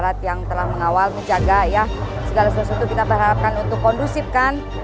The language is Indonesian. dari aparat yang telah mengawal menjaga segala sesuatu kita berharapkan untuk kondusif kan